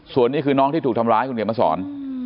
ส่วนนี้คือน้องที่ถูกทำร้ายคุณเขียนมาสอน